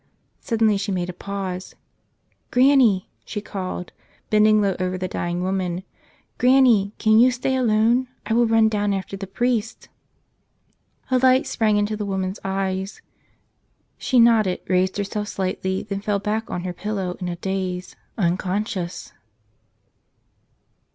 Suddenly she made a pause. "Granny," she called, bending low over the dying woman, "Granny, can you stay alone? I will run down after the priest." A light sprang into the woman's eyes. She nodded, raised herself slightly, then fell back on her pillow in a daze — unconscious.